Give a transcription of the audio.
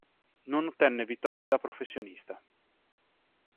Non ottenne vittorie da professionista.